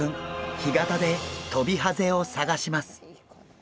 干潟でトビハゼを探します。